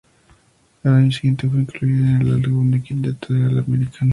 Al año siguiente fue incluido en el segundo quinteto del All-American.